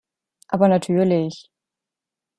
Aber natürlich.